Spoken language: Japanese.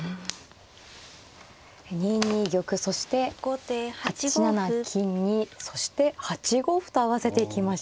２二玉そして８七金にそして８五歩と合わせていきました。